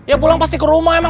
ya pulang pasti ke rumah emang